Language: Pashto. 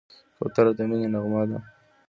کوتره د مینې نغمه ده.